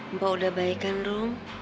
mbak udah baik kan rom